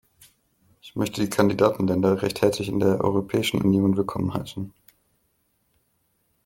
Ich möchte die Kandidatenländer recht herzlich in der Europäischen Union willkommen heißen!